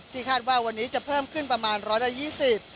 ที่คาดว่าวันนี้เป็นประกบ๑๒๐